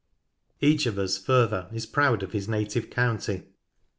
Each of us, further, is proud of his native county.